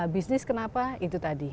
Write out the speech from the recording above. bisnis kenapa itu tadi